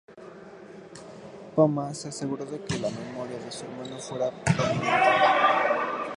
Poma se aseguró de que la memoria de su hermano fuera prominente.